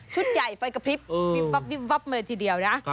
ชุดใหญ่ไฟกระพริบวิบวับเลยทีเดียวนะ